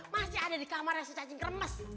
masih ada di kamarnya si cacing kermes